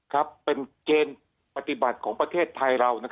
ครับเป็นเกณฑ์ปฏิบัติของประเทศไทยเรา